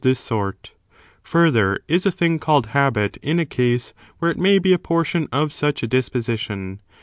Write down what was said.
this sort Further, is a thing called habit in a case where it may be a portion of such a disposition.